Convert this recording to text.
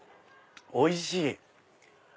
おいしい！